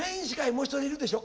もう一人いるでしょ？